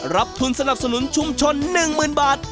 รับทุนสนับสนุนชุมชนหนึ่งหมื่นบาท